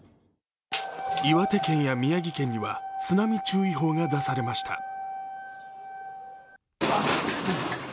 岩手県や宮城県には津波注意報が出されました。